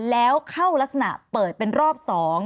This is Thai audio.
แล้วเข้ารักษณะเปิดเป็นรอบ๒